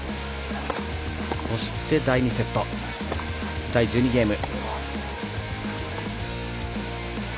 そして、第２セット第１２ゲーム。